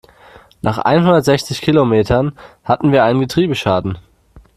Nach einhundertsechzig Kilometern hatten wir einen Getriebeschaden.